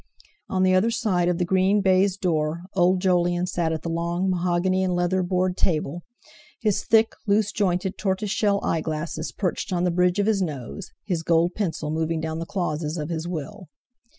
On the other side of the green baize door old Jolyon sat at the long, mahogany and leather board table, his thick, loose jointed, tortoiseshell eye glasses perched on the bridge of his nose, his gold pencil moving down the clauses of his Will.